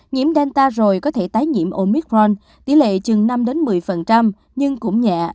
nhiễm delta rồi có thể tái nhiễm omicron tỷ lệ chừng năm một mươi nhưng cũng nhẹ